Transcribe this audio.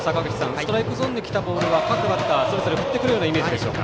ストライクゾーンに来たボールは各バッターそれぞれ振ってくるイメージでしょうか。